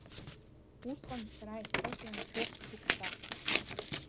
Усҟан сара исхыҵуан жәохә шықәса.